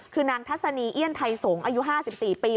คือนางทัศนีเอี้ยนไทยสงศ์อายุ๕๔ปี